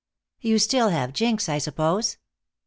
"You still have Jinx, I suppose?"